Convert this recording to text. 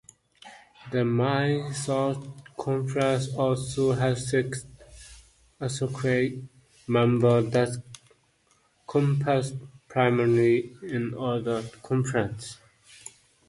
The Mid-South Conference also has six associate members that compete primarily in other conferences.